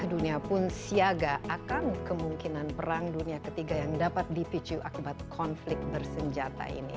dunia pun siaga akan kemungkinan perang dunia ketiga yang dapat dipicu akibat konflik bersenjata ini